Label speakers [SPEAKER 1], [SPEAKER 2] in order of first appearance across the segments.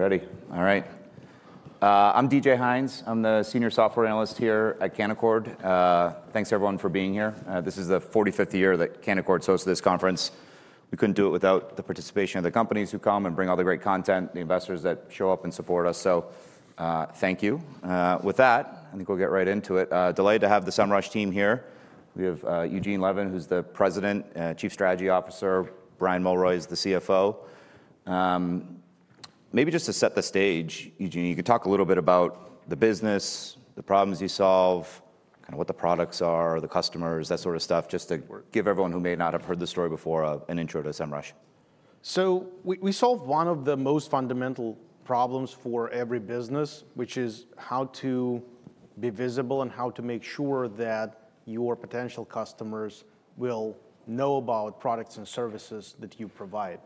[SPEAKER 1] Ready. All right. I'm DJ Hines. I'm the Senior Software Analyst here at Canaccord. Thanks, everyone, for being here. This is the 45th year that Canaccord hosts this conference. We couldn't do it without the participation of the companies who come and bring all the great content, the investors that show up and support us. Thank you. With that, I think we'll get right into it. Delighted to have the Semrush team here. We have Eugene Levin, who's the President, Chief Strategy Officer. Brian Mulroy is the CFO. Maybe just to set the stage, Eugene, you could talk a little bit about the business, the problems you solve, kind of what the products are, the customers, that sort of stuff, just to give everyone who may not have heard the story before an intro to Semrush.
[SPEAKER 2] We solve one of the most fundamental problems for every business, which is how to be visible and how to make sure that your potential customers will know about products and services that you provide.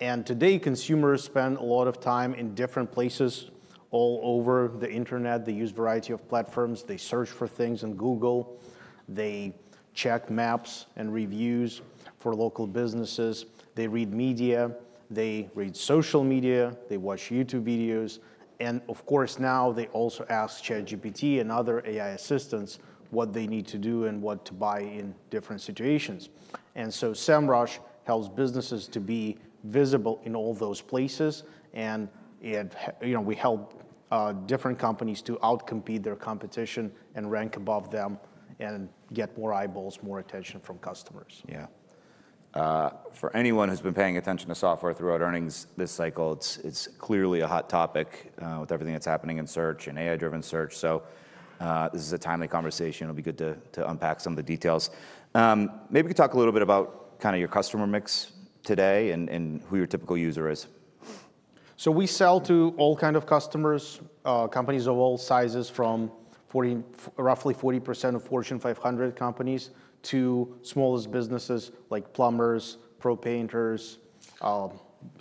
[SPEAKER 2] Today, consumers spend a lot of time in different places all over the internet. They use a variety of platforms. They search for things on Google. They check maps and reviews for local businesses. They read media. They read social media. They watch YouTube videos. Of course, now they also ask ChatGPT and other AI assistants what they need to do and what to buy in different situations. Semrush helps businesses to be visible in all those places. We help different companies to outcompete their competition and rank above them and get more eyeballs, more attention from customers.
[SPEAKER 1] Yeah. For anyone who's been paying attention to software throughout earnings this cycle, it's clearly a hot topic with everything that's happening in search and AI-driven search. This is a timely conversation. It'll be good to unpack some of the details. Maybe you could talk a little bit about your customer mix today and who your typical user is.
[SPEAKER 2] We sell to all kinds of customers, companies of all sizes, from roughly 40% of Fortune 500 companies to smallest businesses like plumbers, pro painters,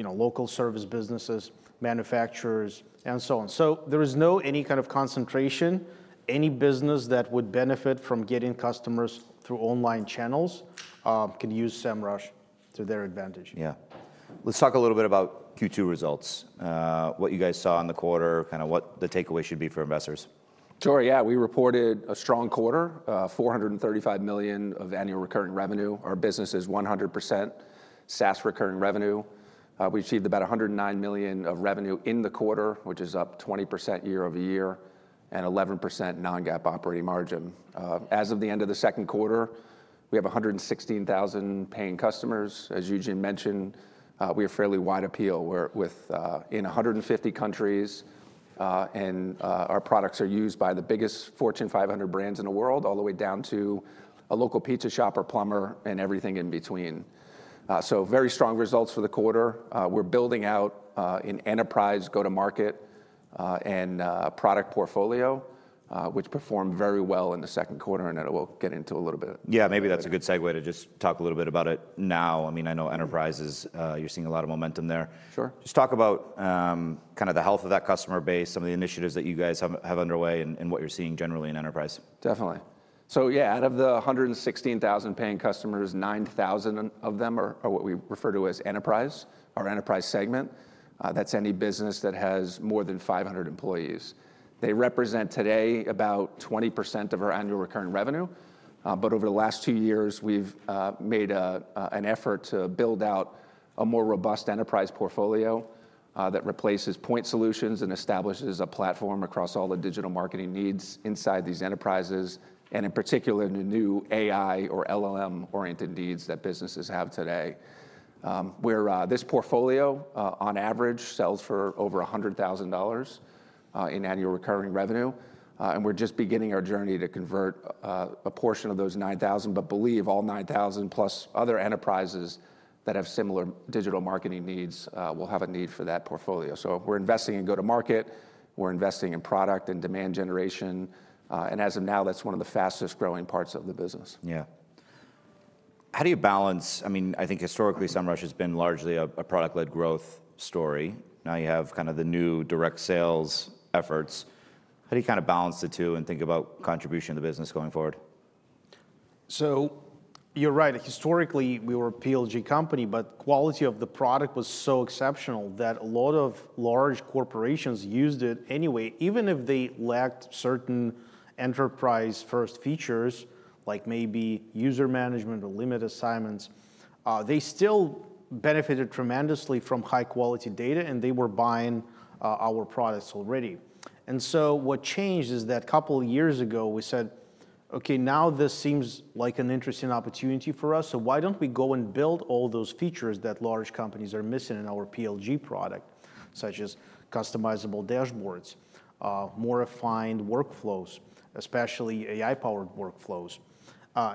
[SPEAKER 2] local service businesses, manufacturers, and so on. There is no kind of concentration. Any business that would benefit from getting customers through online channels can use Semrush to their advantage.
[SPEAKER 1] Yeah. Let's talk a little bit about Q2 results, what you guys saw in the quarter, kind of what the takeaway should be for investors.
[SPEAKER 3] Sure. Yeah. We reported a strong quarter, $435 million of annual recurring revenue. Our business is 100% SaaS recurring revenue. We achieved about $109 million of revenue in the quarter, which is up 20% year over year and 11% non-GAAP operating margin. As of the end of the second quarter, we have 116,000 paying customers. As Eugene mentioned, we have fairly wide appeal. We're in 150 countries, and our products are used by the biggest Fortune 500 brands in the world, all the way down to a local pizza shop or plumber and everything in between. Very strong results for the quarter. We're building out an enterprise go-to-market and product portfolio, which performed very well in the second quarter. I will get into a little bit.
[SPEAKER 1] Yeah, maybe that's a good segue to just talk a little bit about it now. I mean, I know enterprises, you're seeing a lot of momentum there.
[SPEAKER 3] Sure.
[SPEAKER 1] Just talk about the health of that customer base, some of the initiatives that you guys have underway, and what you're seeing generally in enterprise.
[SPEAKER 3] Definitely. Out of the 116,000 paying customers, 9,000 of them are what we refer to as enterprise, our enterprise segment. That's any business that has more than 500 employees. They represent today about 20% of our annual recurring revenue. Over the last two years, we've made an effort to build out a more robust Enterprise portfolio that replaces point solutions and establishes a platform across all the digital marketing needs inside these enterprises, in particular, the new AI or LLM-oriented needs that businesses have today. This portfolio, on average, sells for over $100,000 in annual recurring revenue. We're just beginning our journey to convert a portion of those 9,000, but believe all 9,000 plus other enterprises that have similar digital marketing needs will have a need for that portfolio. We're investing in go-to-market, product, and demand generation. As of now, that's one of the fastest growing parts of the business.
[SPEAKER 1] How do you balance, I mean, I think historically, Semrush has been largely a product-led growth story. Now you have kind of the new direct sales efforts. How do you kind of balance the two and think about contribution to the business going forward?
[SPEAKER 2] You're right. Historically, we were a PLG company, but the quality of the product was so exceptional that a lot of large corporations used it anyway, even if they lacked certain enterprise-first features, like maybe user management or limit assignments. They still benefited tremendously from high-quality data. They were buying our products already. What changed is that a couple of years ago, we said, OK, now this seems like an interesting opportunity for us. Why don't we go and build all those features that large companies are missing in our PLG product, such as customizable dashboards, more refined workflows, especially AI-powered workflows,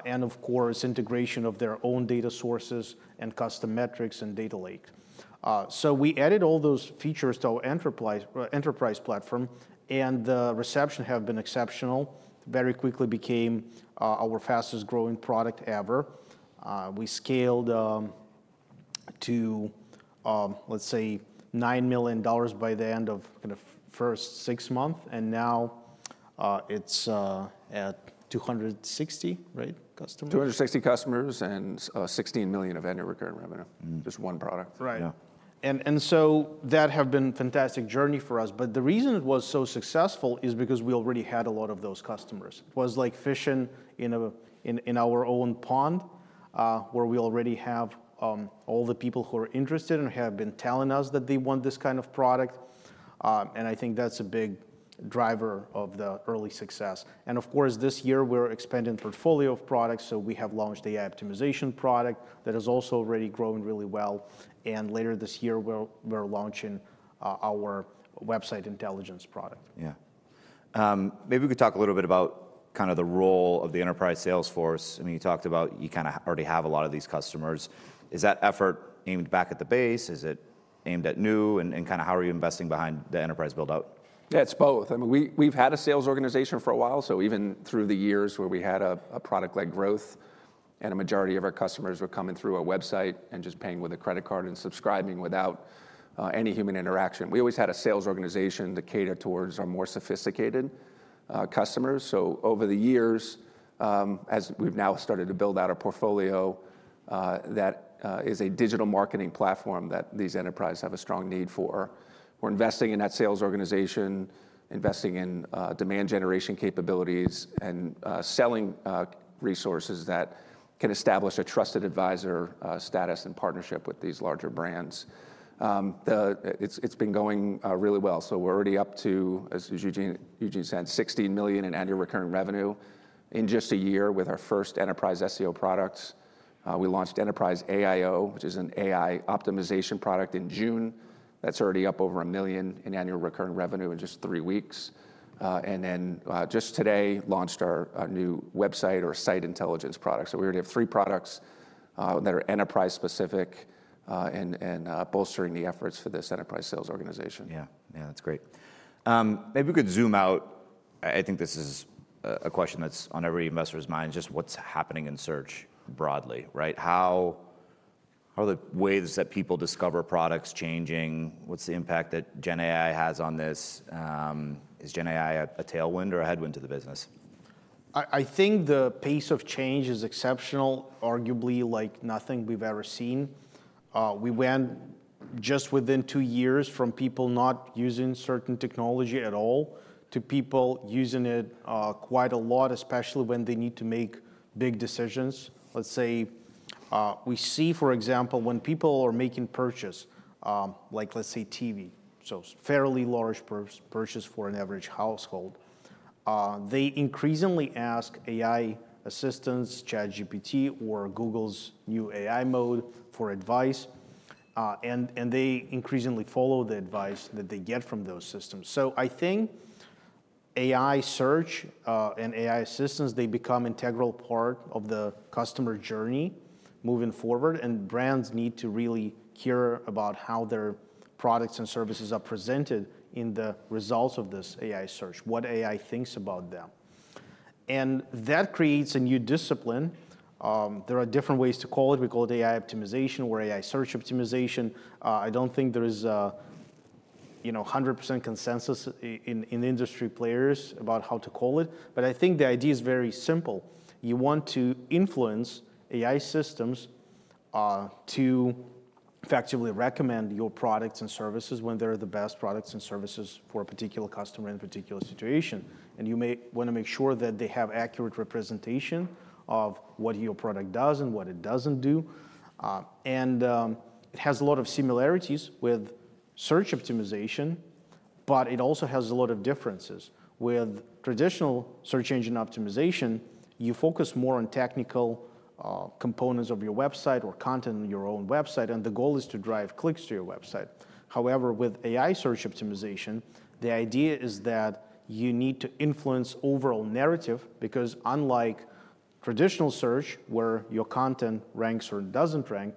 [SPEAKER 2] and of course, integration of their own data sources and custom metrics and data lake. We added all those features to our enterprise platform. The reception has been exceptional. It very quickly became our fastest growing product ever. We scaled to, let's say, $9 million by the end of the first six months. Now it's at 260, right, customers?
[SPEAKER 3] 260 customers and $16 million of annual recurring revenue, just one product.
[SPEAKER 2] Right. That has been a fantastic journey for us. The reason it was so successful is because we already had a lot of those customers. It was like fishing in our own pond, where we already have all the people who are interested and have been telling us that they want this kind of product. I think that's a big driver of the early success. This year, we're expanding the portfolio of products. We have launched the AI Optimization product that is also already growing really well. Later this year, we're launching our website intelligence product.
[SPEAKER 1] Maybe we could talk a little bit about the role of the enterprise sales force. You talked about you already have a lot of these customers. Is that effort aimed back at the base? Is it aimed at new? How are you investing behind the enterprise build-out?
[SPEAKER 3] Yeah, it's both. We've had a sales organization for a while. Even through the years where we had a product-led growth and a majority of our customers were coming through a website and just paying with a credit card and subscribing without any human interaction, we always had a sales organization to cater towards our more sophisticated customers. Over the years, as we've now started to build out a portfolio that is a digital marketing platform that these enterprises have a strong need for, we're investing in that sales organization, investing in demand generation capabilities, and selling resources that can establish a trusted advisor status and partnership with these larger brands. It's been going really well. We're already up to, as Eugene said, $16 million in annual recurring revenue in just a year with our first Enterprise SEO products. We launched Enterprise AIO, which is an AI optimization product, in June. That's already up over $1 million in annual recurring revenue in just three weeks. Just today, we launched our new Website Intelligence product. We already have three products that are enterprise-specific and bolstering the efforts for this enterprise sales organization.
[SPEAKER 1] Yeah, that's great. Maybe we could zoom out. I think this is a question that's on every investor's mind, just what's happening in search broadly, right? How are the ways that people discover products changing? What's the impact that generative AI has on this? Is generative AI a tailwind or a headwind to the business?
[SPEAKER 2] I think the pace of change is exceptional, arguably like nothing we've ever seen. We went just within two years from people not using certain technology at all to people using it quite a lot, especially when they need to make big decisions. For example, when people are making purchases, like TV, so fairly large purchases for an average household, they increasingly ask AI assistants, ChatGPT, or Google's new AI mode for advice. They increasingly follow the advice that they get from those systems. I think AI search and AI assistants become an integral part of the customer journey moving forward. Brands need to really care about how their products and services are presented in the results of this AI search, what AI thinks about them. That creates a new discipline. There are different ways to call it. We call it AI Optimization or AI search optimization. I don't think there is 100% consensus in industry players about how to call it. I think the idea is very simple. You want to influence AI systems to effectively recommend your products and services when they're the best products and services for a particular customer in a particular situation. You may want to make sure that they have accurate representation of what your product does and what it doesn't do. It has a lot of similarities with search optimization, but it also has a lot of differences. With traditional search engine optimization, you focus more on technical components of your website or content on your own website, and the goal is to drive clicks to your website. However, with AI search optimization, the idea is that you need to influence the overall narrative because, unlike traditional search, where your content ranks or doesn't rank,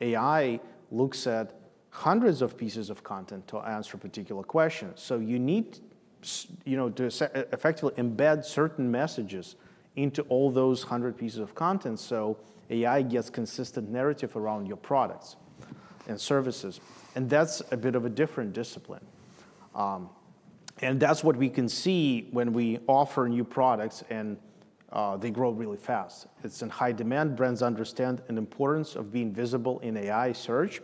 [SPEAKER 2] AI looks at hundreds of pieces of content to answer a particular question. You need to effectively embed certain messages into all those hundred pieces of content so AI gets a consistent narrative around your products and services. That's a bit of a different discipline. That's what we can see when we offer new products, and they grow really fast. It's in high demand. Brands understand the importance of being visible in AI search,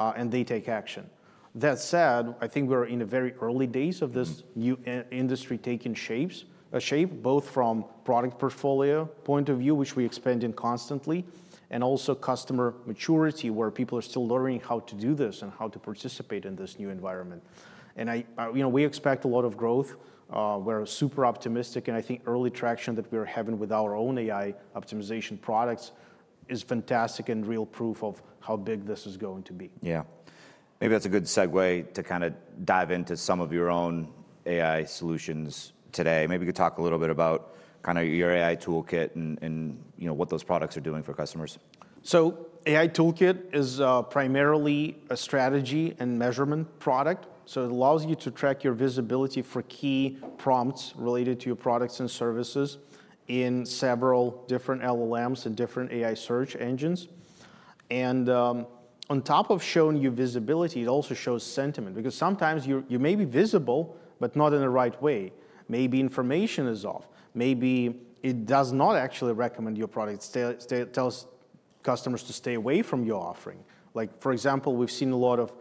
[SPEAKER 2] and they take action. That said, I think we're in the very early days of this new industry taking shape, both from a product portfolio point of view, which we expand in constantly, and also customer maturity, where people are still learning how to do this and how to participate in this new environment. We expect a lot of growth. We're super optimistic. I think the early traction that we're having with our own AI optimization products is fantastic and real proof of how big this is going to be.
[SPEAKER 1] Yeah, maybe that's a good segue to kind of dive into some of your own AI solutions today. Maybe you could talk a little bit about kind of your AI Toolkit and what those products are doing for customers.
[SPEAKER 2] AI Toolkit is primarily a strategy and measurement product. It allows you to track your visibility for key prompts related to your products and services in several different large language models and different AI search engines. On top of showing you visibility, it also shows sentiment because sometimes you may be visible, but not in the right way. Maybe information is off. Maybe it does not actually recommend your product. It tells customers to stay away from your offering. For example, we've seen a lot of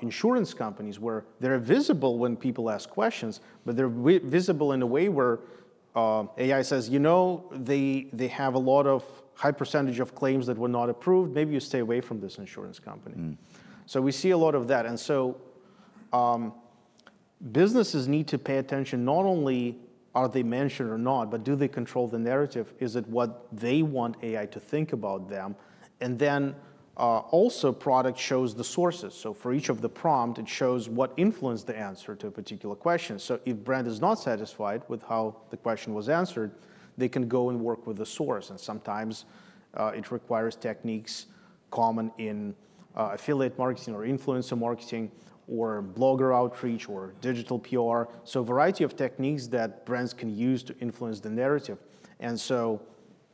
[SPEAKER 2] insurance companies where they're visible when people ask questions, but they're visible in a way where AI says they have a high percent of claims that were not approved. Maybe you stay away from this insurance company. We see a lot of that. Businesses need to pay attention, not only are they mentioned or not, but do they control the narrative. Is it what they want AI to think about them. The product shows the sources. For each of the prompts, it shows what influenced the answer to a particular question. If a brand is not satisfied with how the question was answered, they can go and work with the source. Sometimes it requires techniques common in affiliate marketing or influencer marketing or blogger outreach or digital PR. There are a variety of techniques that brands can use to influence the narrative.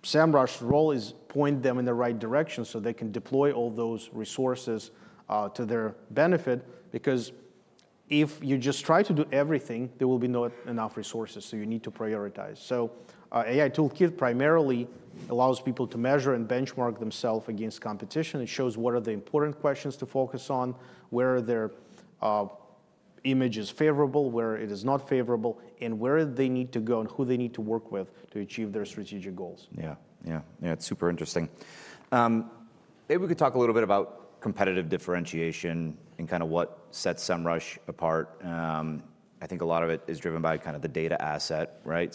[SPEAKER 2] Semrush's role is to point them in the right direction so they can deploy all those resources to their benefit because if you just try to do everything, there will be not enough resources. You need to prioritize. AI Toolkit primarily allows people to measure and benchmark themselves against competition. It shows what are the important questions to focus on, where their image is favorable, where it is not favorable, and where they need to go and who they need to work with to achieve their strategic goals.
[SPEAKER 1] Yeah, it's super interesting. Maybe we could talk a little bit about competitive differentiation and kind of what sets Semrush apart. I think a lot of it is driven by kind of the data asset, right?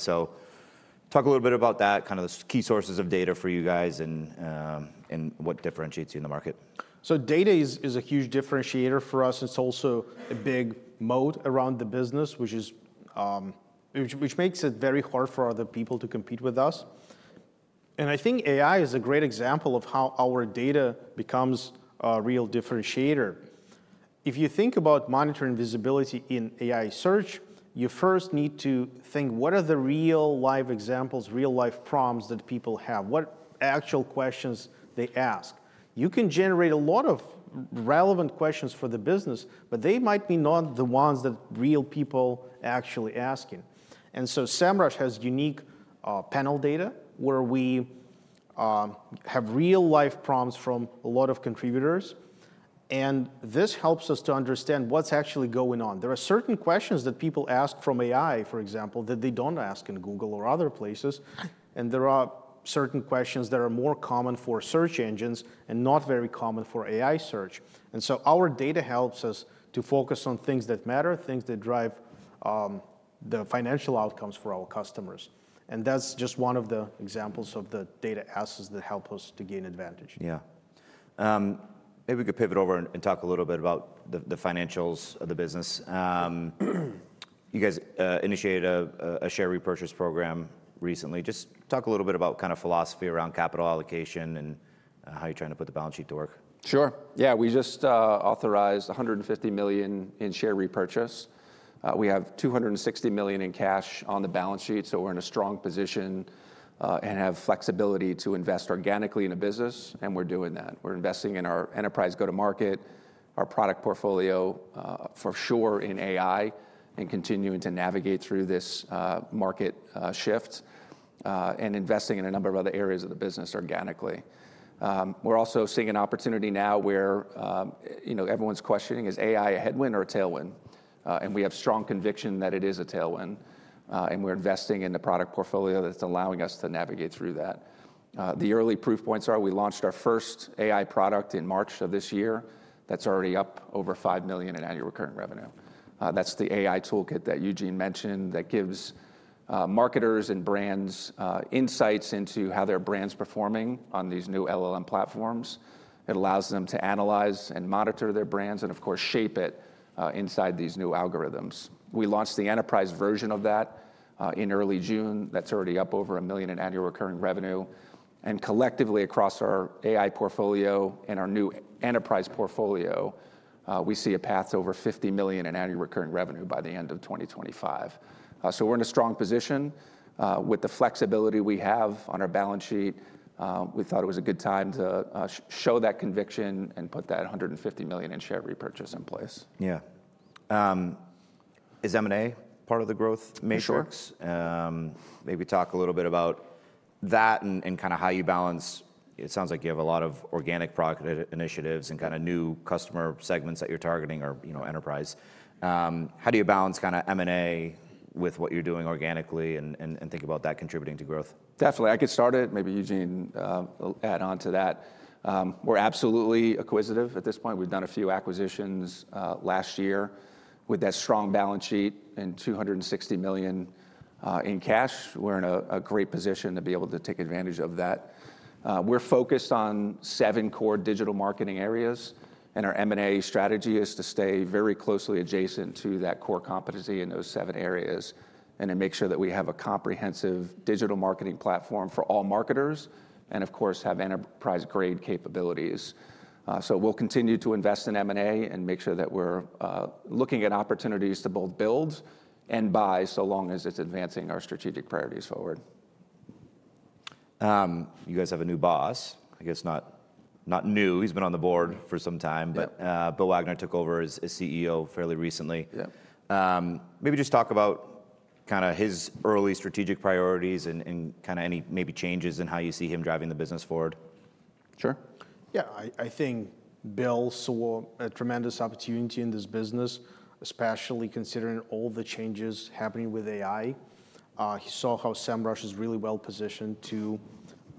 [SPEAKER 1] Talk a little bit about that, kind of the key sources of data for you guys and what differentiates you in the market.
[SPEAKER 2] Data is a huge differentiator for us. It's also a big moat around the business, which makes it very hard for other people to compete with us. I think AI is a great example of how our data becomes a real differentiator. If you think about monitoring visibility in AI search, you first need to think, what are the real-life examples, real-life prompts that people have? What actual questions they ask? You can generate a lot of relevant questions for the business, but they might be not the ones that real people are actually asking. Semrush has unique panel data where we have real-life prompts from a lot of contributors. This helps us to understand what's actually going on. There are certain questions that people ask from AI, for example, that they don't ask in Google or other places. There are certain questions that are more common for search engines and not very common for AI search. Our data helps us to focus on things that matter, things that drive the financial outcomes for our customers. That's just one of the examples of the data assets that help us to gain advantage.
[SPEAKER 1] Yeah. Maybe we could pivot over and talk a little bit about the financials of the business. You guys initiated a share repurchase program recently. Just talk a little bit about kind of philosophy around capital allocation and how you're trying to put the balance sheet to work.
[SPEAKER 3] Sure. We just authorized $150 million in share repurchase. We have $260 million in cash on the balance sheet. We're in a strong position and have flexibility to invest organically in the business. We're investing in our enterprise go-to-market, our product portfolio, for sure, in AI, and continuing to navigate through this market shift and investing in a number of other areas of the business organically. We're also seeing an opportunity now where everyone's questioning, is AI a headwind or a tailwind? We have strong conviction that it is a tailwind. We're investing in the product portfolio that's allowing us to navigate through that. The early proof points are we launched our first AI product in March of this year that's already up over $5 million in annual recurring revenue. That's the AI Toolkit that Eugene mentioned that gives marketers and brands insights into how their brand's performing on these new LLM platforms. It allows them to analyze and monitor their brands and, of course, shape it inside these new algorithms. We launched the enterprise version of that in early June. That's already up over $1 million in annual recurring revenue. Collectively, across our AI portfolio and our new Enterprise portfolio, we see a path to over $50 million in annual recurring revenue by the end of 2025. We're in a strong position. With the flexibility we have on our balance sheet, we thought it was a good time to show that conviction and put that $150 million in share repurchase in place.
[SPEAKER 1] Yeah. Is M&A part of the growth matrix?
[SPEAKER 3] Sure.
[SPEAKER 1] Maybe talk a little bit about that and how you balance. It sounds like you have a lot of organic product initiatives and new customer segments that you're targeting for enterprise. How do you balance M&A with what you're doing organically and think about that contributing to growth?
[SPEAKER 3] Definitely. I could start it, maybe Eugene adds on to that. We're absolutely acquisitive at this point. We've done a few acquisitions last year with that strong balance sheet and $260 million in cash. We're in a great position to be able to take advantage of that. We're focused on seven core digital marketing areas. Our M&A strategy is to stay very closely adjacent to that core competency in those seven areas and to make sure that we have a comprehensive digital marketing platform for all marketers and, of course, have enterprise-grade capabilities. We'll continue to invest in M&A and make sure that we're looking at opportunities to both build and buy as long as it's advancing our strategic priorities forward.
[SPEAKER 1] You guys have a new boss. I guess not new. He's been on the board for some time, but Bill Wagner took over as CEO fairly recently.
[SPEAKER 3] Yeah.
[SPEAKER 1] Maybe just talk about kind of his early strategic priorities and any maybe changes in how you see him driving the business forward.
[SPEAKER 2] Sure. Yeah, I think Bill saw a tremendous opportunity in this business, especially considering all the changes happening with AI. He saw how Semrush is really well positioned to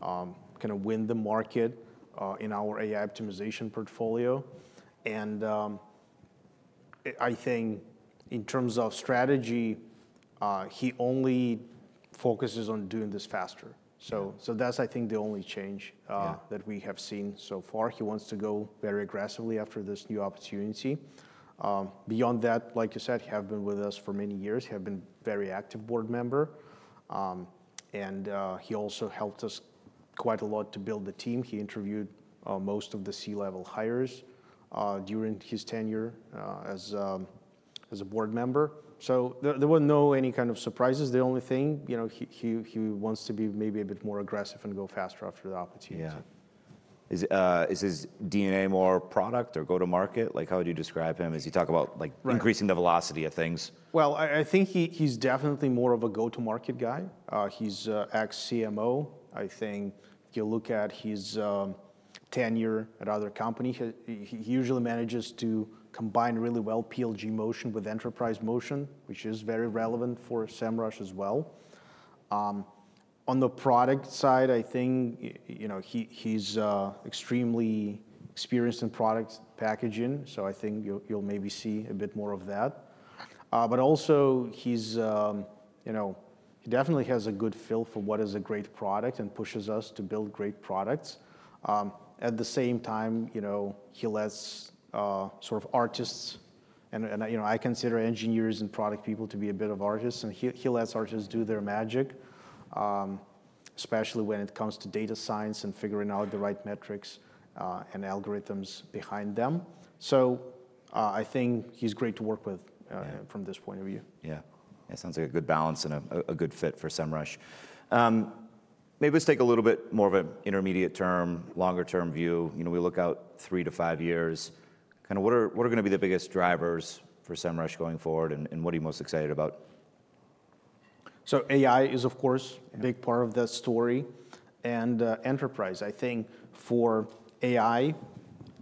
[SPEAKER 2] kind of win the market in our AI Optimization portfolio. I think in terms of strategy, he only focuses on doing this faster. That's, I think, the only change that we have seen so far. He wants to go very aggressively after this new opportunity. Beyond that, like you said, he has been with us for many years. He has been a very active board member. He also helped us quite a lot to build the team. He interviewed most of the C-level hires during his tenure as a board member. There were no kind of surprises. The only thing, you know, he wants to be maybe a bit more aggressive and go faster after the opportunity.
[SPEAKER 1] Yeah. Is his DNA more product or go-to-market? How would you describe him as you talk about increasing the velocity of things?
[SPEAKER 2] I think he's definitely more of a go-to-market guy. He's ex-CMO. I think if you look at his tenure at other companies, he usually manages to combine really well PLG motion with enterprise motion, which is very relevant for Semrush as well. On the product side, I think he's extremely experienced in product packaging. I think you'll maybe see a bit more of that. He definitely has a good feel for what is a great product and pushes us to build great products. At the same time, he lets sort of artists, and I consider engineers and product people to be a bit of artists, do their magic, especially when it comes to data science and figuring out the right metrics and algorithms behind them. I think he's great to work with from this point of view.
[SPEAKER 1] Yeah. It sounds like a good balance and a good fit for Semrush. Maybe let's take a little bit more of an intermediate term, longer-term view. You know, we look out three to five years. What are going to be the biggest drivers for Semrush going forward? What are you most excited about?
[SPEAKER 2] AI is, of course, a big part of that story. Enterprise, I think for AI,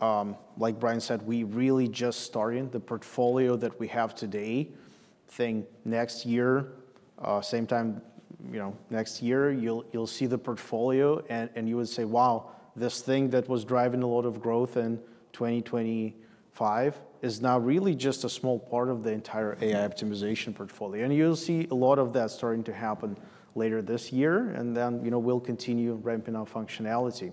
[SPEAKER 2] like Brian said, we really just started the portfolio that we have today. I think next year, same time, you know, next year, you'll see the portfolio. You would say, wow, this thing that was driving a lot of growth in 2025 is now really just a small part of the entire AI Optimization portfolio. You'll see a lot of that starting to happen later this year, and we'll continue ramping up functionality.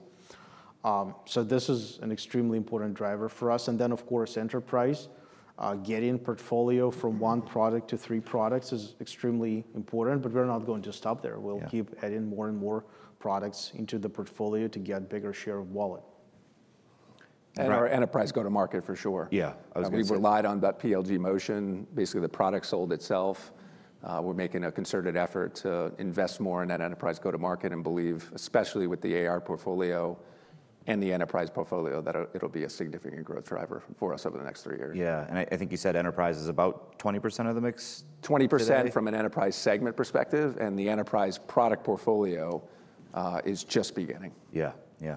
[SPEAKER 2] This is an extremely important driver for us. Of course, enterprise, getting a portfolio from one product to three products is extremely important. We're not going to stop there. We'll keep adding more and more products into the portfolio to get a bigger share of the wallet.
[SPEAKER 3] Our enterprise go-to-market for sure.
[SPEAKER 1] Yeah.
[SPEAKER 3] We've relied on that PLG motion. Basically, the product sold itself. We're making a concerted effort to invest more in that enterprise go-to-market and believe, especially with the ARR portfolio and the Enterprise portfolio, that it'll be a significant growth driver for us over the next three years.
[SPEAKER 1] I think you said enterprise is about 20% of the mix.
[SPEAKER 3] 20% from an enterprise segment perspective. The enterprise product portfolio is just beginning.
[SPEAKER 1] Yeah, yeah.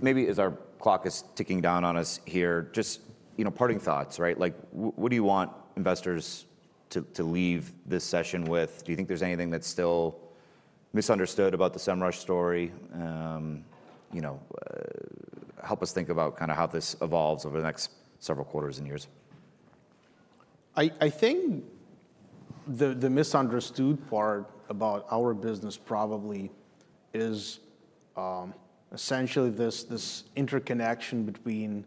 [SPEAKER 1] Maybe as our clock is ticking down on us here, just, you know, parting thoughts, right? What do you want investors to leave this session with? Do you think there's anything that's still misunderstood about the Semrush story? Help us think about kind of how this evolves over the next several quarters and years.
[SPEAKER 2] I think the misunderstood part about our business probably is essentially this interconnection between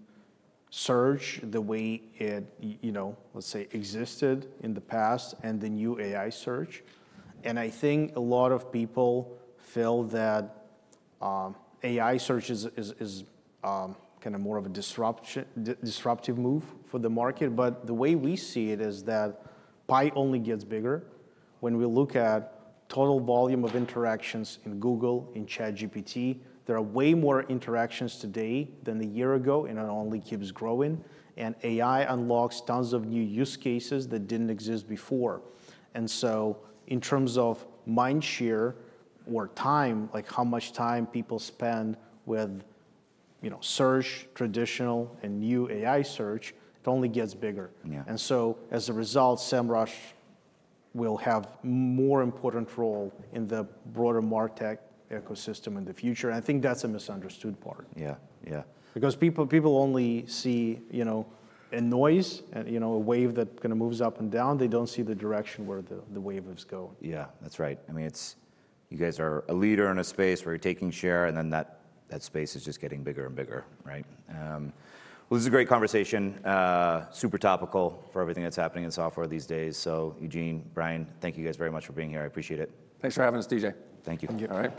[SPEAKER 2] search, the way it, you know, let's say, existed in the past, and the new AI search. I think a lot of people feel that AI search is kind of more of a disruptive move for the market. The way we see it is that pie only gets bigger. When we look at the total volume of interactions in Google and ChatGPT, there are way more interactions today than a year ago. It only keeps growing. AI unlocks tons of new use cases that didn't exist before. In terms of mind share or time, like how much time people spend with, you know, search, traditional, and new AI search, it only gets bigger.
[SPEAKER 1] Yeah.
[SPEAKER 2] As a result, Semrush will have a more important role in the broader MarTech ecosystem in the future. I think that's a misunderstood part.
[SPEAKER 1] Yeah, yeah.
[SPEAKER 2] Because people only see, you know, a noise, you know, a wave that kind of moves up and down. They don't see the direction where the wave is going.
[SPEAKER 1] Yeah, that's right. I mean, you guys are a leader in a space where you're taking share, and that space is just getting bigger and bigger, right? This is a great conversation, super topical for everything that's happening in software these days. Eugene, Brian, thank you guys very much for being here. I appreciate it.
[SPEAKER 3] Thanks for having us, DJ.
[SPEAKER 1] Thank you.
[SPEAKER 3] Enjoy.